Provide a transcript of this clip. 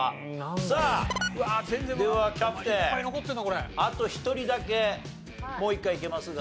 さあではキャプテンあと１人だけもう一回いけますが。